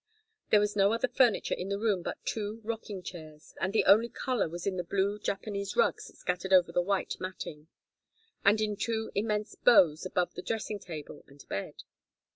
There was no other furniture in the room but two rocking chairs, and the only color was in the blue Japanese rugs scattered over the white matting, and in two immense bows above the dressing table and bed.